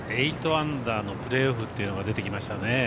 ８アンダーのプレーオフというのが出てきましたね。